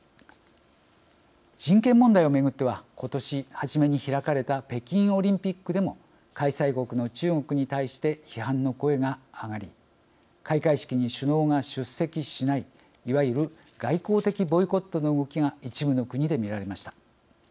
人権問題を巡っては今年初めに開かれた北京オリンピックでも開催国の中国に対して批判の声が上がり開会式に首脳が出席しないいわゆる外交的ボイコットの動きが一部の国で見られました。